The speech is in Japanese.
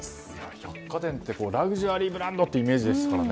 百貨店ってラグジュアリーブランドっていうイメージでしたからね